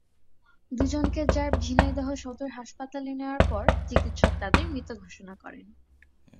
দুজনকে র্যাব ঝিনাইদহ সদর হাসপাতালে নেওয়ার পর চিকিৎসক তাঁদের মৃত ঘোষণা করেন।